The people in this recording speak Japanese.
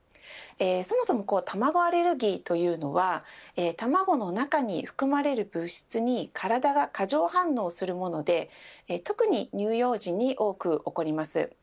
そもそも卵アレルギーというのは卵の中に含まれる物質に体が過剰反応するもので特に乳幼児に多く起こります。